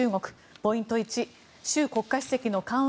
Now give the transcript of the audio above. ポイント１習国家主席の緩和